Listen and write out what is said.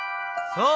そう！